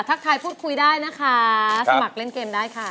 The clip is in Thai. ทักทายพูดคุยได้นะคะสมัครเล่นเกมได้ค่ะ